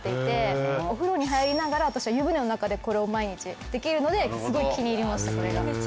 お風呂に入りながら私は湯船の中でこれを毎日できるのですごい気に入りましたこれが。